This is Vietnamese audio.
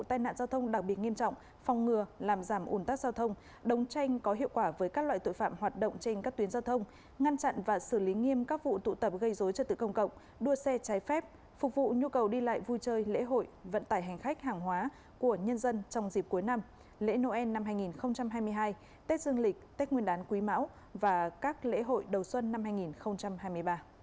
tài nạn giao thông đặc biệt nghiêm trọng phòng ngừa làm giảm ủn tắc giao thông đống tranh có hiệu quả với các loại tội phạm hoạt động trên các tuyến giao thông ngăn chặn và xử lý nghiêm các vụ tụ tập gây dối trật tự công cộng đua xe trái phép phục vụ nhu cầu đi lại vui chơi lễ hội vận tải hành khách hàng hóa của nhân dân trong dịp cuối năm lễ noel năm hai nghìn hai mươi hai tết dương lịch tết nguyên đán quý mão và các lễ hội đầu xuân năm hai nghìn hai mươi ba